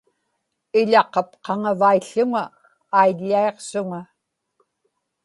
iḷaqapqaŋavaił̣ł̣uŋa aiḷḷaiqsuŋa